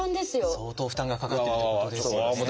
相当負担がかかってるということですよね。